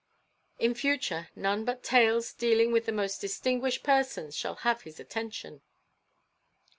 In future none but tales dealing with the most distinguished persons shall have his attention."